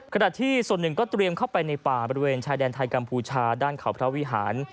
ขณะที่ส่วนหนึ่งก็เตรียมเข้าไปในป่าบริเวณชายแดนไทยกัมพูชาด้านเขาพระวิหาร